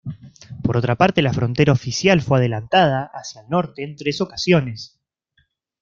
Por otra parte, la frontera oficial fue adelantada hacia el norte en tres ocasiones.